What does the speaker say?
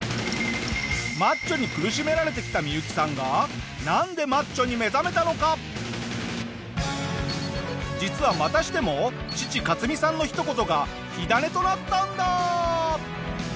マッチョに苦しめられてきたミユキさんが実はまたしても父カツミさんのひと言が火種となったんだ！